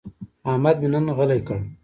احمد مې نن غلی کړ.